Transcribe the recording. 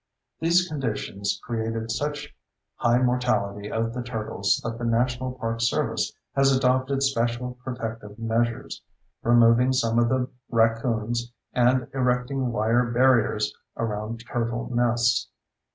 These conditions created such high mortality of the turtles that the National Park Service has adopted special protective measures—removing some of the raccoons and erecting wire barriers around turtle nests.